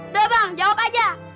udah bang jawab aja